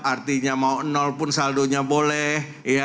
artinya mau nol pun saldonya boleh